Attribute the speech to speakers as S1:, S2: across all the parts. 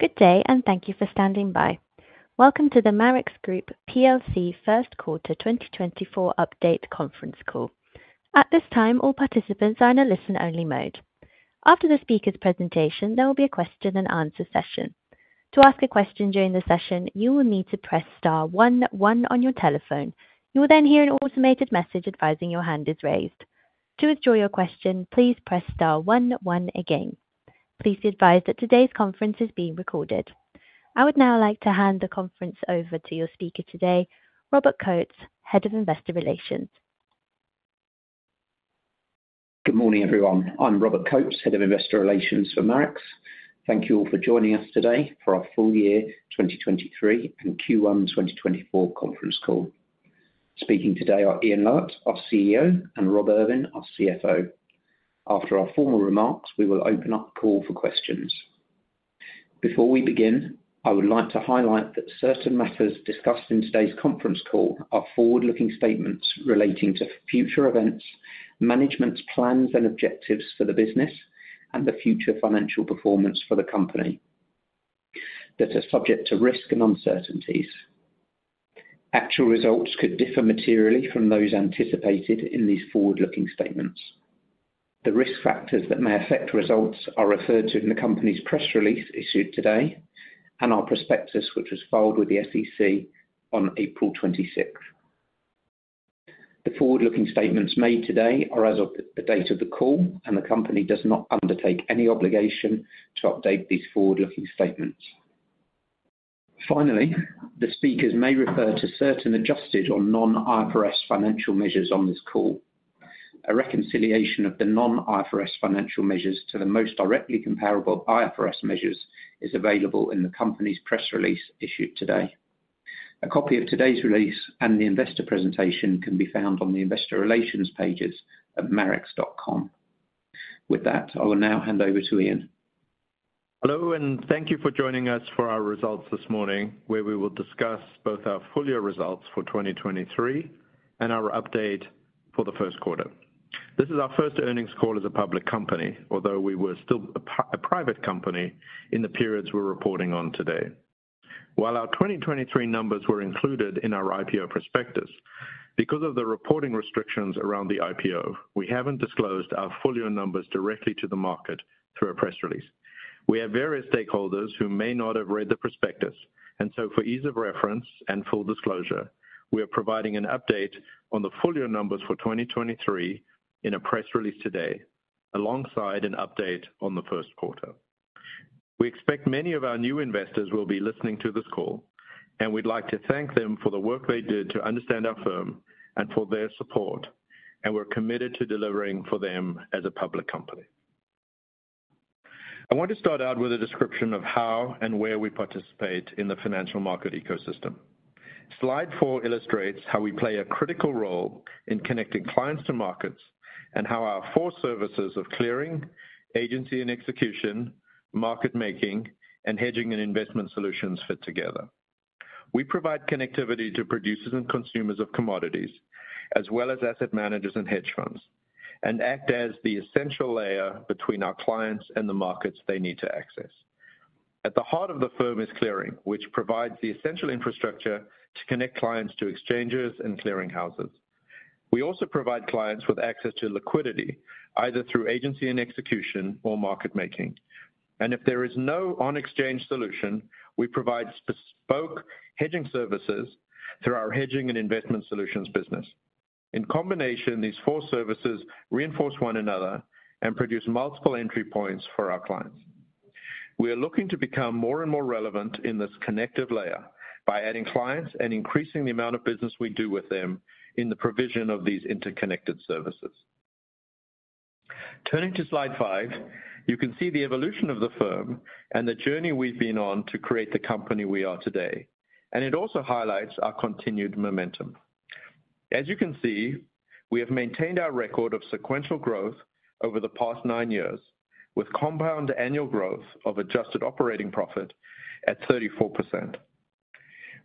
S1: Good day, and thank you for standing by. Welcome to the Marex Group plc First Quarter 2024 Update conference call. At this time, all participants are in a listen-only mode. After the speaker's presentation, there will be a question-and-answer session. To ask a question during the session, you will need to press star one one on your telephone. You will then hear an automated message advising your hand is raised. To withdraw your question, please press star one one again. Please be advised that today's conference is being recorded. I would now like to hand the conference over to your speaker today, Robert Coates, Head of Investor Relations.
S2: Good morning, everyone. I'm Robert Coates, Head of Investor Relations for Marex. Thank you all for joining us today for our full year 2023 and Q1 2024 conference call. Speaking today are Ian Lowitt, our CEO, and Rob Irvin, our CFO. After our formal remarks, we will open up the call for questions. Before we begin, I would like to highlight that certain matters discussed in today's conference call are forward-looking statements relating to future events, management's plans and objectives for the business, and the future financial performance for the company that are subject to risk and uncertainties. Actual results could differ materially from those anticipated in these forward-looking statements. The risk factors that may affect results are referred to in the company's press release issued today and our prospectus, which was filed with the SEC on April 26th. The forward-looking statements made today are as of the date of the call, and the company does not undertake any obligation to update these forward-looking statements. Finally, the speakers may refer to certain adjusted or non-IFRS financial measures on this call. A reconciliation of the non-IFRS financial measures to the most directly comparable IFRS measures is available in the company's press release issued today. A copy of today's release and the investor presentation can be found on the investor relations pages at marex.com. With that, I will now hand over to Ian.
S3: Hello, and thank you for joining us for our results this morning, where we will discuss both our full year results for 2023 and our update for the first quarter. This is our first earnings call as a public company, although we were still a private company in the periods we're reporting on today. While our 2023 numbers were included in our IPO prospectus, because of the reporting restrictions around the IPO, we haven't disclosed our full year numbers directly to the market through a press release. We have various stakeholders who may not have read the prospectus, and so for ease of reference and full disclosure, we are providing an update on the full year numbers for 2023 in a press release today, alongside an update on the first quarter. We expect many of our new investors will be listening to this call, and we'd like to thank them for the work they did to understand our firm and for their support, and we're committed to delivering for them as a public company. I want to start out with a description of how and where we participate in the financial market ecosystem. Slide 4 illustrates how we play a critical role in connecting clients to markets, and how our four services of Clearing, Agency and Execution, Market Making, and Hedging and Investment Solutions fit together. We provide connectivity to producers and consumers of commodities, as well as asset managers and hedge funds, and act as the essential layer between our clients and the markets they need to access. At the heart of the firm is Clearing, which provides the essential infrastructure to connect clients to exchanges and clearing houses. We also provide clients with access to liquidity, either through Agency and Execution or market making. If there is no on-exchange solution, we provide bespoke hedging services through our hedging and Investment Solutions business. In combination, these four services reinforce one another and produce multiple entry points for our clients. We are looking to become more and more relevant in this connective layer by adding clients and increasing the amount of business we do with them in the provision of these interconnected services. Turning to slide 5, you can see the evolution of the firm and the journey we've been on to create the company we are today, and it also highlights our continued momentum. As you can see, we have maintained our record of sequential growth over the past 9 years, with compound annual growth of adjusted operating profit at 34%.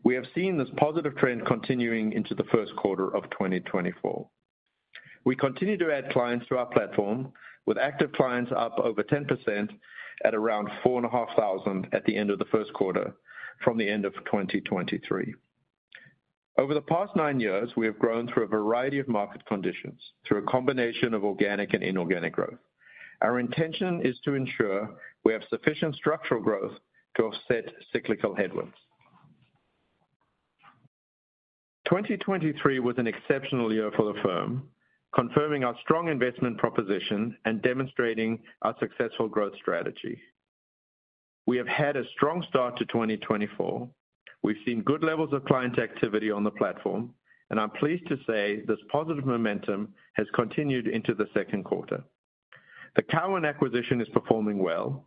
S3: We have seen this positive trend continuing into the first quarter of 2024. We continue to add clients to our platform, with active clients up over 10% at around 4,500 at the end of the first quarter from the end of 2023. Over the past 9 years, we have grown through a variety of market conditions through a combination of organic and inorganic growth. Our intention is to ensure we have sufficient structural growth to offset cyclical headwinds. 2023 was an exceptional year for the firm, confirming our strong investment proposition and demonstrating our successful growth strategy. We have had a strong start to 2024. We've seen good levels of client activity on the platform, and I'm pleased to say this positive momentum has continued into the second quarter. The Cowen acquisition is performing well.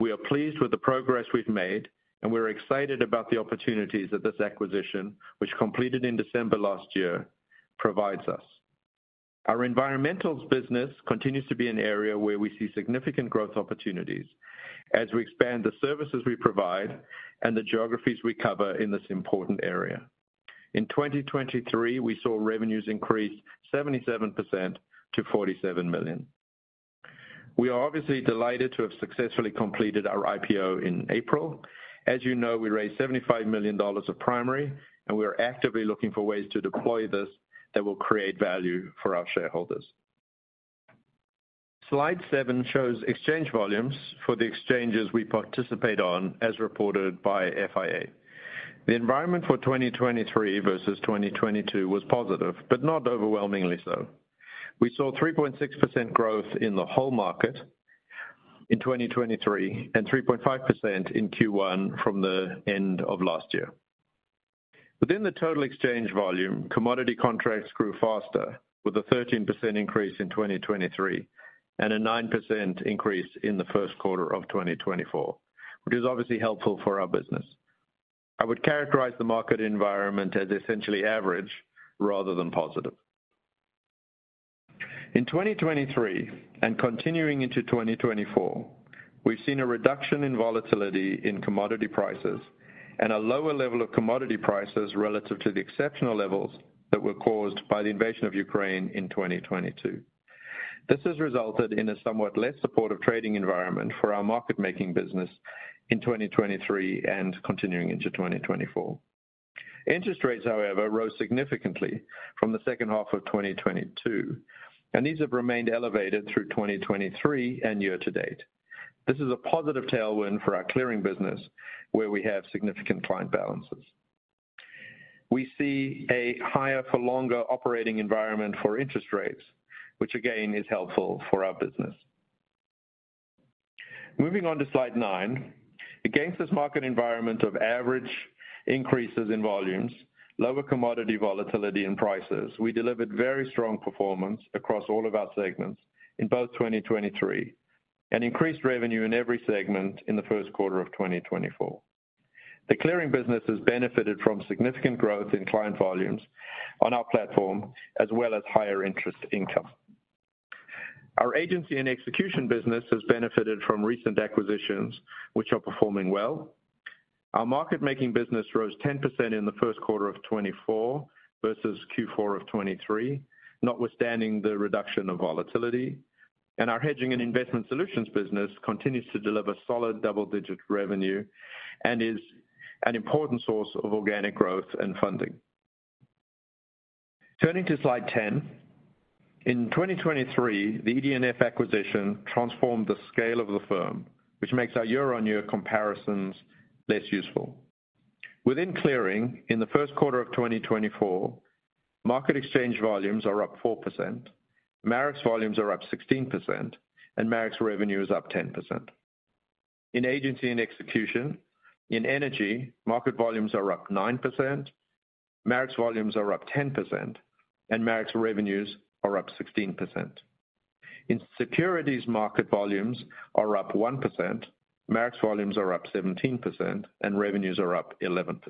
S3: We are pleased with the progress we've made, and we're excited about the opportunities that this acquisition, which completed in December last year, provides us. Our environmentals business continues to be an area where we see significant growth opportunities as we expand the services we provide and the geographies we cover in this important area. In 2023, we saw revenues increase 77% to $47 million. We are obviously delighted to have successfully completed our IPO in April. As you know, we raised $75 million of primary, and we are actively looking for ways to deploy this that will create value for our shareholders. Slide 7 shows exchange volumes for the exchanges we participate on, as reported by FIA. The environment for 2023 versus 2022 was positive, but not overwhelmingly so. We saw 3.6% growth in the whole market in 2023, and 3.5% in Q1 from the end of last year. Within the total exchange volume, commodity contracts grew faster, with a 13% increase in 2023, and a 9% increase in the first quarter of 2024, which is obviously helpful for our business. I would characterize the market environment as essentially average rather than positive. In 2023, and continuing into 2024, we've seen a reduction in volatility in commodity prices, and a lower level of commodity prices relative to the exceptional levels that were caused by the invasion of Ukraine in 2022. This has resulted in a somewhat less supportive trading environment for our market-making business in 2023 and continuing into 2024. Interest rates, however, rose significantly from the second half of 2022, and these have remained elevated through 2023 and year to date. This is a positive tailwind for our clearing business, where we have significant client balances. We see a higher for longer operating environment for interest rates, which again, is helpful for our business. Moving on to slide 9. Against this market environment of average increases in volumes, lower commodity volatility and prices, we delivered very strong performance across all of our segments in both 2023, and increased revenue in every segment in the first quarter of 2024. The clearing business has benefited from significant growth in client volumes on our platform, as well as higher interest income. Our agency and execution business has benefited from recent acquisitions, which are performing well. Our market-making business rose 10% in the first quarter of 2024 versus Q4 of 2023, notwithstanding the reduction of volatility. Our hedging and investment solutions business continues to deliver solid double-digit revenue, and is an important source of organic growth and funding. Turning to slide 10. In 2023, the ED&F acquisition transformed the scale of the firm, which makes our year-on-year comparisons less useful. Within clearing, in the first quarter of 2024, market exchange volumes are up 4%, Marex volumes are up 16%, and Marex revenue is up 10%. In agency and execution, in energy, market volumes are up 9%, Marex volumes are up 10%, and Marex revenues are up 16%. In securities, market volumes are up 1%, Marex volumes are up 17%, and revenues are up 11%.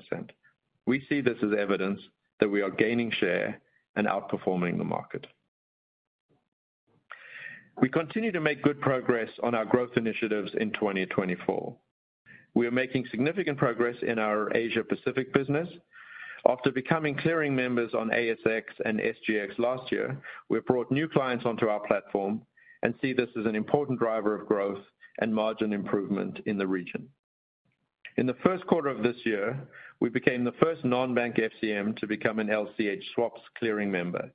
S3: We see this as evidence that we are gaining share and outperforming the market. We continue to make good progress on our growth initiatives in 2024. We are making significant progress in our Asia Pacific business. After becoming clearing members on ASX and SGX last year, we have brought new clients onto our platform and see this as an important driver of growth and margin improvement in the region. In the first quarter of this year, we became the first non-bank FCM to become an LCH swaps clearing member,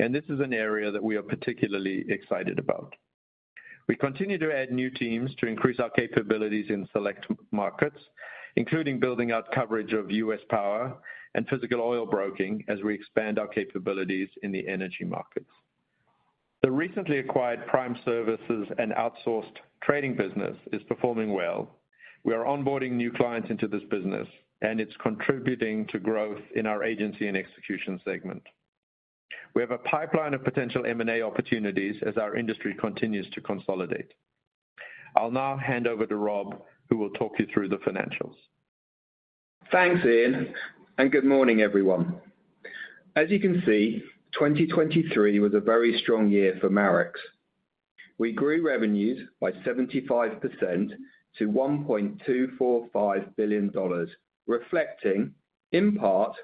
S3: and this is an area that we are particularly excited about. We continue to add new teams to increase our capabilities in select markets, including building out coverage of U.S. power and physical oil broking as we expand our capabilities in the energy markets. The recently acquired Prime Services and outsourced trading business is performing well. We are onboarding new clients into this business, and it's contributing to growth in our Agency and Execution segment. We have a pipeline of potential M&A opportunities as our industry continues to consolidate. I'll now hand over to Rob, who will talk you through the financials.
S4: Thanks, Ian, and good morning, everyone. As you can see, 2023 was a very strong year for Marex. We grew revenues by 75% to $1.245 billion, reflecting, in part,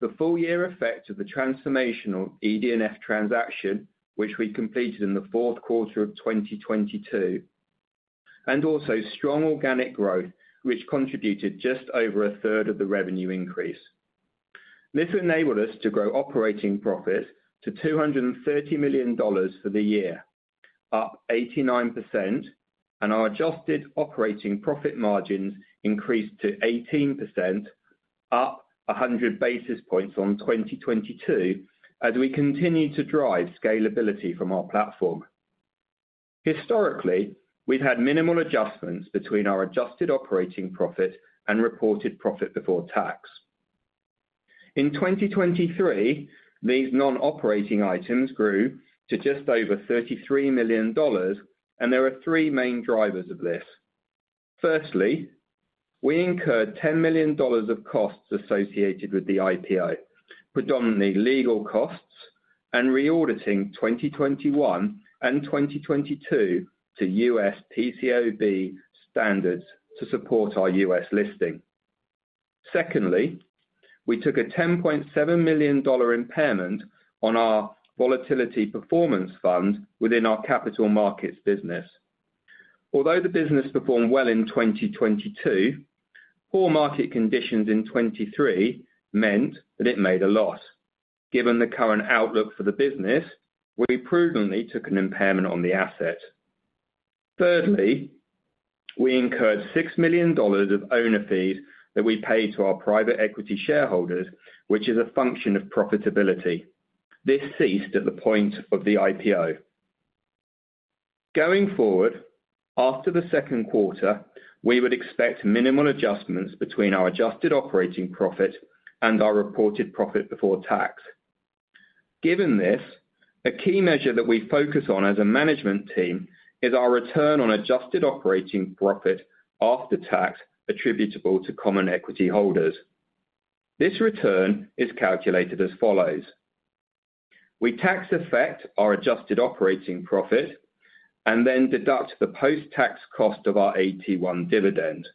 S4: the full year effect of the transformational ED&F transaction, which we completed in the fourth quarter of 2022, and also strong organic growth, which contributed just over a third of the revenue increase. This enabled us to grow operating profit to $230 million for the year, up 89%, and our adjusted operating profit margins increased to 18%, up 100 basis points on 2022, as we continue to drive scalability from our platform. Historically, we've had minimal adjustments between our adjusted operating profit and reported profit before tax. In 2023, these non-operating items grew to just over $33 million, and there are three main drivers of this. Firstly, we incurred $10 million of costs associated with the IPO, predominantly legal costs and reauditing 2021 and 2022 to U.S. PCAOB standards to support our U.S. listing. Secondly, we took a $10.7 million impairment on our Volatility Performance Fund within our capital markets business. Although the business performed well in 2022, poor market conditions in 2023 meant that it made a loss. Given the current outlook for the business, we prudently took an impairment on the asset. Thirdly, we incurred $6 million of owner fee that we pay to our private equity shareholders, which is a function of profitability. This ceased at the point of the IPO. Going forward, after the second quarter, we would expect minimal adjustments between our adjusted operating profit and our reported profit before tax. Given this, a key measure that we focus on as a management team is our return on adjusted operating profit after tax attributable to common equity holders. This return is calculated as follows: We tax effect our adjusted operating profit and then deduct the post-tax cost of our AT-1 dividend,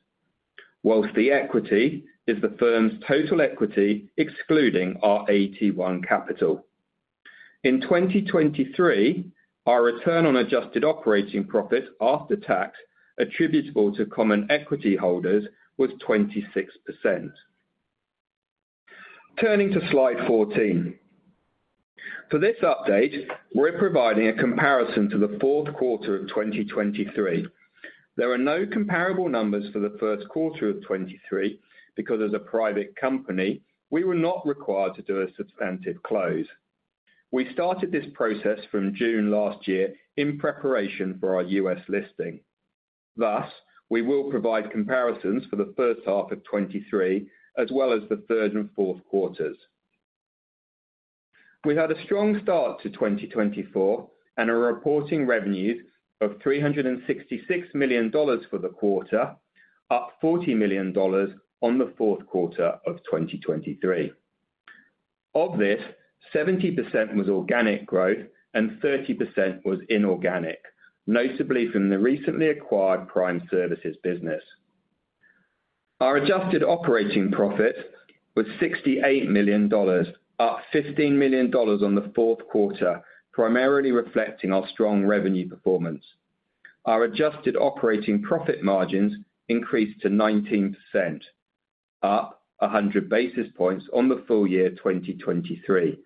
S4: while the equity is the firm's total equity, excluding our AT-1 capital. In 2023, our return on adjusted operating profit after tax attributable to common equity holders was 26%. Turning to Slide 14. For this update, we're providing a comparison to the fourth quarter of 2023. There are no comparable numbers for the first quarter of 2023 because, as a private company, we were not required to do a substantive close. We started this process from June last year in preparation for our U.S. listing. Thus, we will provide comparisons for the first half of 2023, as well as the third and fourth quarters. We had a strong start to 2024 and are reporting revenues of $366 million for the quarter, up $40 million on the fourth quarter of 2023. Of this, 70% was organic growth and 30% was inorganic, notably from the recently acquired Prime Services business. Our adjusted operating profit was $68 million, up $15 million on the fourth quarter, primarily reflecting our strong revenue performance. Our adjusted operating profit margins increased to 19%, up 100 basis points on the full year 2023,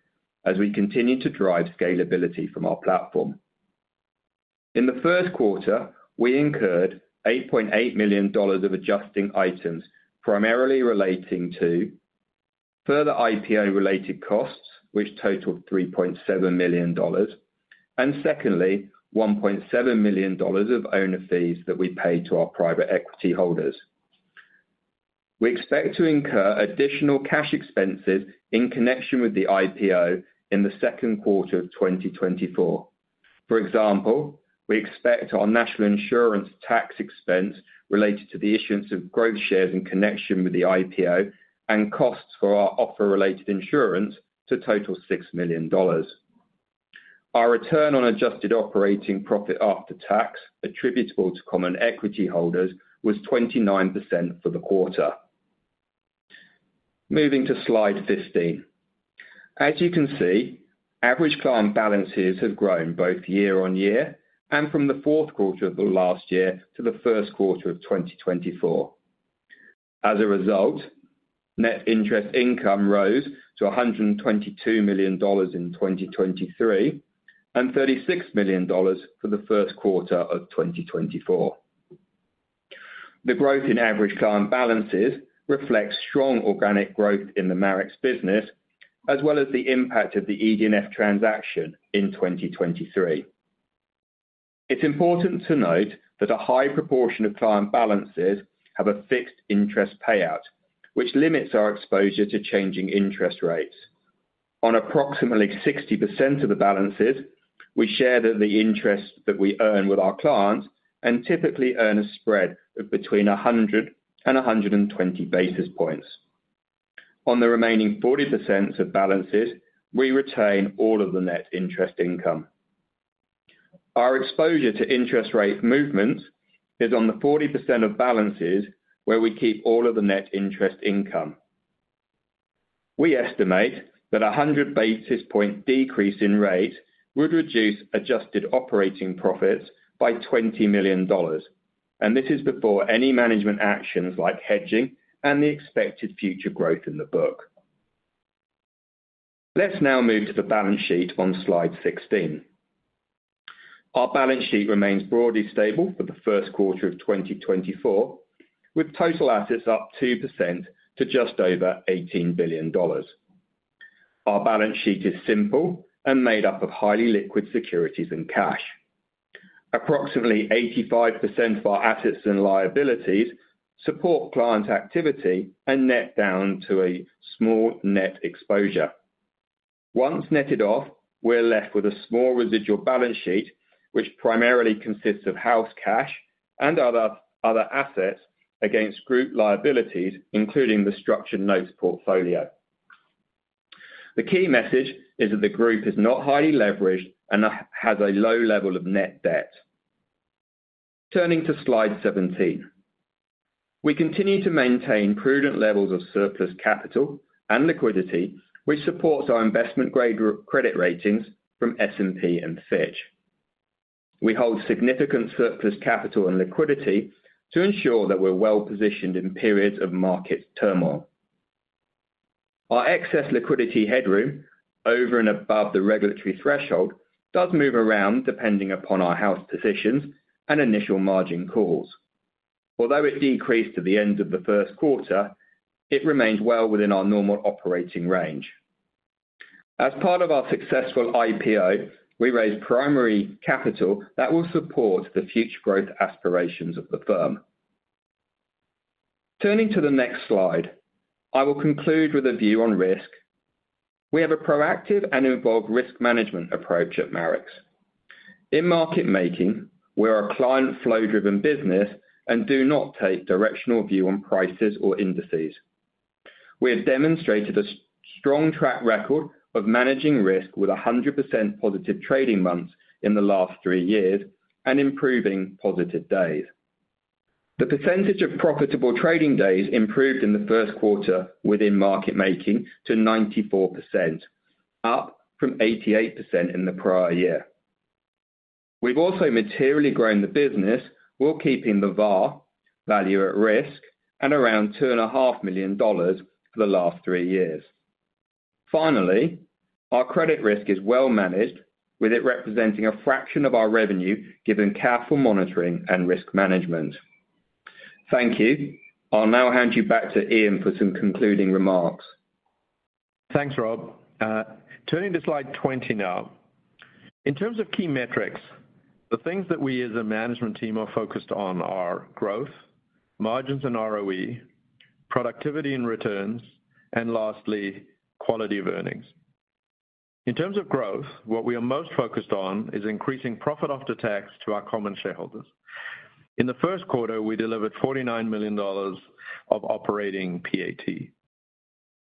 S4: as we continued to drive scalability from our platform. In the first quarter, we incurred $8.8 million of adjusting items, primarily relating to further IPO-related costs, which totaled $3.7 million, and secondly, $1.7 million of owner fees that we pay to our private equity holders. We expect to incur additional cash expenses in connection with the IPO in the second quarter of 2024. For example, we expect our National insurance tax expense related to the issuance of growth shares in connection with the IPO and costs for our offer-related insurance to total $6 million. Our return on adjusted operating profit after tax attributable to common equity holders was 29% for the quarter. Moving to Slide 15. As you can see, average client balances have grown both year-on-year and from the fourth quarter of the last year to the first quarter of 2024. As a result, net interest income rose to $122 million in 2023, and $36 million for the first quarter of 2024. The growth in average client balances reflects strong organic growth in the Marex business, as well as the impact of the ED&F transaction in 2023. It's important to note that a high proportion of client balances have a fixed interest payout, which limits our exposure to changing interest rates. On approximately 60% of the balances, we share that the interest that we earn with our clients and typically earn a spread of between 100 and 120 basis points. On the remaining 40% of balances, we retain all of the net interest income. Our exposure to interest rate movements is on the 40% of balances where we keep all of the net interest income. We estimate that 100 basis points decrease in rate would reduce adjusted operating profits by $20 million, and this is before any management actions like hedging and the expected future growth in the book. Let's now move to the balance sheet on Slide 16. Our balance sheet remains broadly stable for the first quarter of 2024, with total assets up 2% to just over $18 billion. Our balance sheet is simple and made up of highly liquid securities and cash. Approximately 85% of our assets and liabilities support client activity and net down to a small net exposure. Once netted off, we're left with a small residual balance sheet, which primarily consists of house cash and other assets against group liabilities, including the structured notes portfolio. The key message is that the group is not highly leveraged and has a low level of net debt. Turning to Slide 17. We continue to maintain prudent levels of surplus capital and liquidity, which supports our investment-grade credit ratings from S&P and Fitch. We hold significant surplus capital and liquidity to ensure that we're well positioned in periods of market turmoil. Our excess liquidity headroom, over and above the regulatory threshold, does move around depending upon our house positions and initial margin calls. Although it decreased at the end of the first quarter, it remains well within our normal operating range. As part of our successful IPO, we raised primary capital that will support the future growth aspirations of the firm. Turning to the next slide, I will conclude with a view on risk. We have a proactive and involved risk management approach at Marex. In market making, we're a client flow-driven business and do not take directional view on prices or indices. We have demonstrated a strong track record of managing risk with 100% positive trading months in the last three years and improving positive days. The percentage of profitable trading days improved in the first quarter within market making to 94%, up from 88% in the prior year. We've also materially grown the business while keeping the VaR, value at risk, at around $2.5 million for the last three years. Finally, our credit risk is well managed, with it representing a fraction of our revenue, given careful monitoring and risk management. Thank you. I'll now hand you back to Ian for some concluding remarks.
S3: Thanks, Rob. Turning to slide 20 now. In terms of key metrics, the things that we as a management team are focused on are growth, margins, and ROE, productivity and returns, and lastly, quality of earnings. In terms of growth, what we are most focused on is increasing profit after tax to our common shareholders. In the first quarter, we delivered $49 million of operating PAT.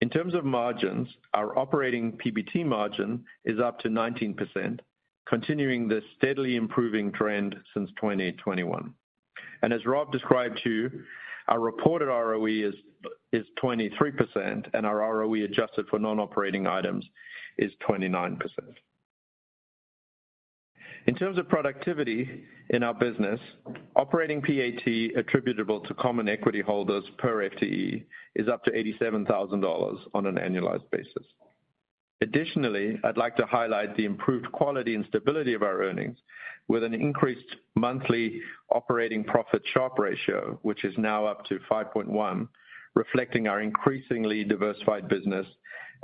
S3: In terms of margins, our operating PBT margin is up to 19%, continuing the steadily improving trend since 2021. And as Rob described to you, our reported ROE is, is 23%, and our ROE adjusted for non-operating items is 29%. In terms of productivity in our business, operating PAT, attributable to common equity holders per FTE, is up to $87,000 on an annualized basis. Additionally, I'd like to highlight the improved quality and stability of our earnings with an increased monthly operating profit Sharpe ratio, which is now up to 5.1, reflecting our increasingly diversified business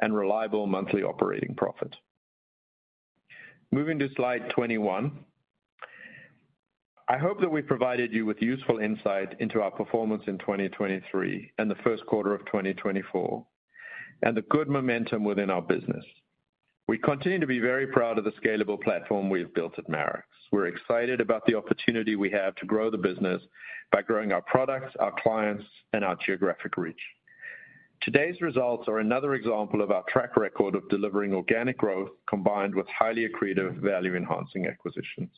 S3: and reliable monthly operating profit. Moving to slide 21. I hope that we've provided you with useful insight into our performance in 2023 and the first quarter of 2024, and the good momentum within our business. We continue to be very proud of the scalable platform we've built at Marex. We're excited about the opportunity we have to grow the business by growing our products, our clients, and our geographic reach. Today's results are another example of our track record of delivering organic growth, combined with highly accretive value enhancing acquisitions.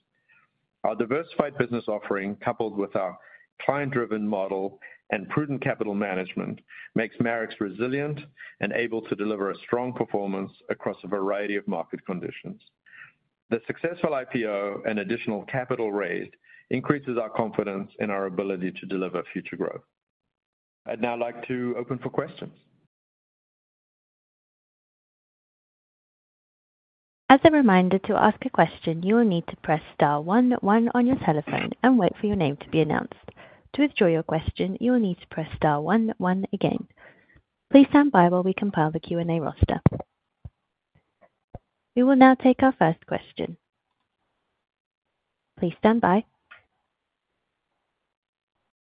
S3: Our diversified business offering, coupled with our client-driven model and prudent capital management, makes Marex resilient and able to deliver a strong performance across a variety of market conditions. The successful IPO and additional capital raised increases our confidence in our ability to deliver future growth. I'd now like to open for questions.
S1: As a reminder, to ask a question, you will need to press star one one on your telephone and wait for your name to be announced. To withdraw your question, you will need to press star one one again. Please stand by while we compile the Q&A roster. We will now take our first question. Please stand by.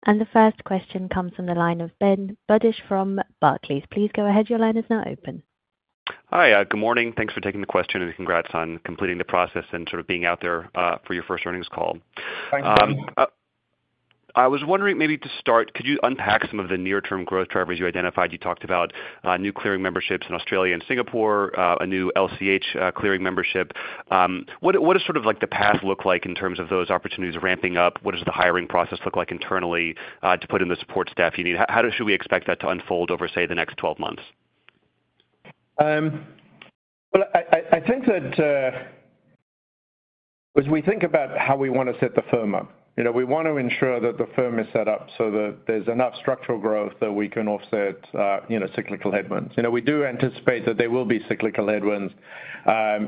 S1: The first question comes from the line of Ben Budish from Barclays. Please go ahead, your line is now open.
S5: Hi, good morning. Thanks for taking the question, and congrats on completing the process and sort of being out there, for your first earnings call.
S3: Thanks, Ben.
S5: I was wondering, maybe to start, could you unpack some of the near-term growth drivers you identified? You talked about, new clearing memberships in Australia and Singapore, a new LCH, clearing membership. What does sort of like the path look like in terms of those opportunities ramping up? What does the hiring process look like internally, to put in the support staff you need? How should we expect that to unfold over, say, the next 12 months?
S3: Well, I think that, as we think about how we want to set the firm up, you know, we want to ensure that the firm is set up so that there's enough structural growth that we can offset, you know, cyclical headwinds. You know, we do anticipate that there will be cyclical headwinds,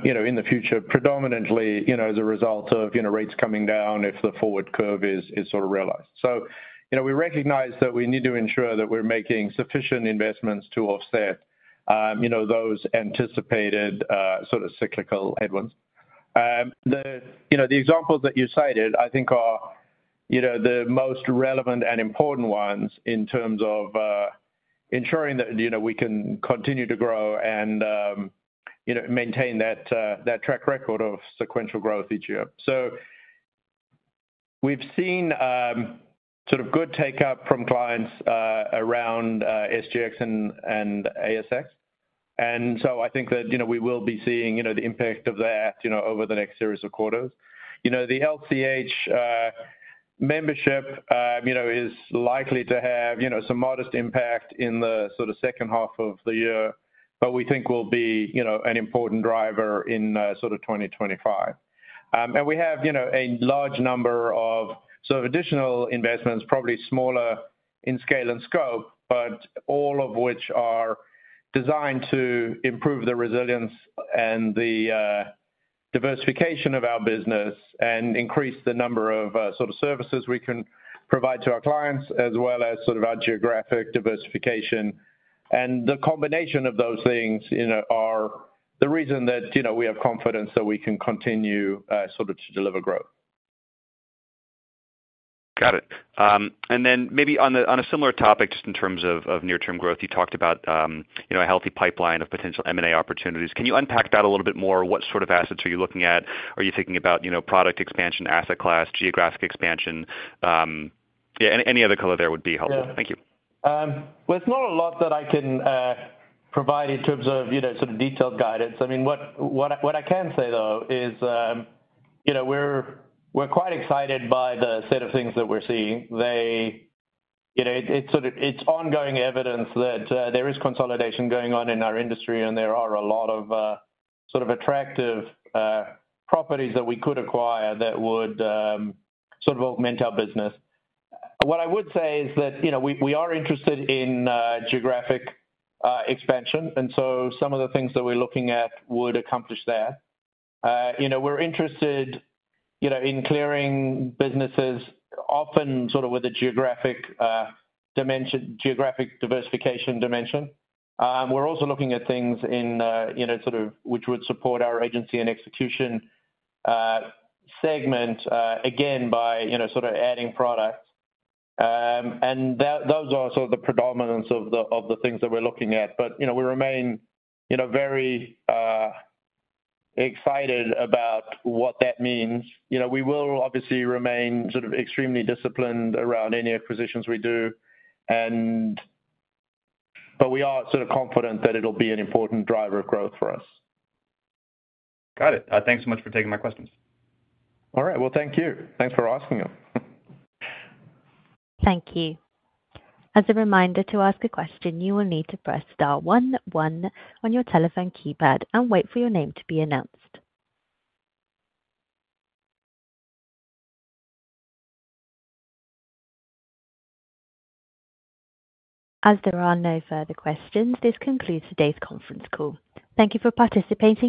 S3: you know, in the future, predominantly, you know, as a result of, you know, rates coming down if the forward curve is sort of realized. So, you know, we recognize that we need to ensure that we're making sufficient investments to offset, you know, those anticipated, sort of cyclical headwinds. You know, the examples that you cited, I think are, you know, the most relevant and important ones in terms of-... ensuring that, you know, we can continue to grow and, you know, maintain that that track record of sequential growth each year. So we've seen, sort of good take up from clients, around, SGX and ASX. And so I think that, you know, we will be seeing, you know, the impact of that, you know, over the next series of quarters. You know, the LCH membership, you know, is likely to have, you know, some modest impact in the sort of second half of the year, but we think will be, you know, an important driver in, sort of 2025. And we have, you know, a large number of sort of additional investments, probably smaller in scale and scope, but all of which are designed to improve the resilience and the diversification of our business and increase the number of sort of services we can provide to our clients, as well as sort of our geographic diversification. And the combination of those things, you know, are the reason that, you know, we have confidence that we can continue sort of to deliver growth.
S5: Got it. And then maybe on a similar topic, just in terms of near-term growth, you talked about, you know, a healthy pipeline of potential M&A opportunities. Can you unpack that a little bit more? What sort of assets are you looking at? Are you thinking about, you know, product expansion, asset class, geographic expansion? Yeah, any other color there would be helpful.
S3: Yeah.
S5: Thank you.
S3: Well, there's not a lot that I can provide in terms of, you know, sort of detailed guidance. I mean, what I can say, though, is, you know, we're quite excited by the set of things that we're seeing. You know, it's sort of ongoing evidence that there is consolidation going on in our industry, and there are a lot of sort of attractive properties that we could acquire that would sort of augment our business. What I would say is that, you know, we are interested in geographic expansion, and so some of the things that we're looking at would accomplish that. You know, we're interested, you know, in clearing businesses often, sort of with a geographic dimension, geographic diversification dimension. We're also looking at things in, you know, sort of, which would support our Agency and Execution segment, again, by, you know, sort of adding products. And those are sort of the predominance of the, of the things that we're looking at. But, you know, we remain, you know, very, excited about what that means. You know, we will obviously remain sort of extremely disciplined around any acquisitions we do, and... But we are sort of confident that it'll be an important driver of growth for us.
S5: Got it. Thanks so much for taking my questions.
S3: All right. Well, thank you. Thanks for asking them.
S1: Thank you. As a reminder, to ask a question, you will need to press star 11 on your telephone keypad and wait for your name to be announced. As there are no further questions, this concludes today's conference call. Thank you for participating.